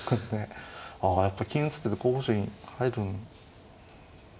ああやっぱり金打つ手候補手に入る。